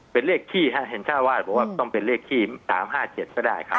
เป็นเลขที่ฮะเห็นชาวว่าบอกว่าต้องเป็นเลขที่สามห้าเกียรติก็ได้ครับอ่า